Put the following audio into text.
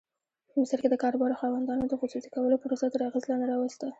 په مصر کې د کاروبار خاوندانو د خصوصي کولو پروسه تر اغېز لاندې راوسته.